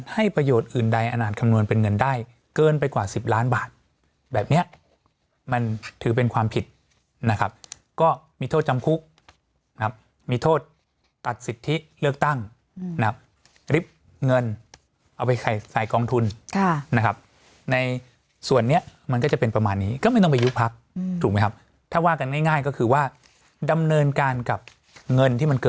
ให้ประโยชน์อื่นใดอาจคำนวณเป็นเงินได้เกินไปกว่า๑๐ล้านบาทแบบเนี้ยมันถือเป็นความผิดนะครับก็มีโทษจำคุกนะครับมีโทษตัดสิทธิเลือกตั้งนะครับริบเงินเอาไปใส่กองทุนนะครับในส่วนนี้มันก็จะเป็นประมาณนี้ก็ไม่ต้องไปยุบพักถูกไหมครับถ้าว่ากันง่ายก็คือว่าดำเนินการกับเงินที่มันเก